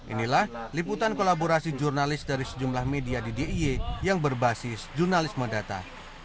inilah liputan kolaborasi jurnalis dari sejumlah media di d i e yang berbasis jurnalisme data